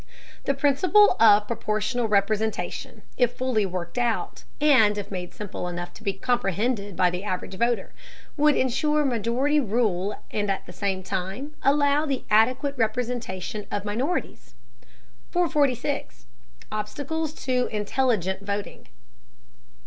The principle of proportional representation, if fully worked out, and if made simple enough to be comprehended by the average voter, would insure majority rule and at the same time allow the adequate representation of minorities. 446. OBSTACLES TO INTELLIGENTY VOTING.